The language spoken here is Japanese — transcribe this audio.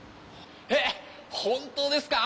えっ本当ですか！？